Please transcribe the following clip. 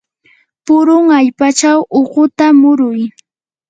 purun allpachaw uqata muruy.